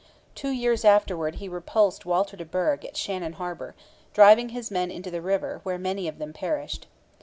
Two years afterwards he repulsed Walter de Burgh at Shannon harbour, driving his men into the river, where many of them perished.